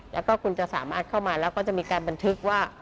แล้วก็คุณจะสามารถเข้ามาแล้วก็จะมีการบันทึกว่า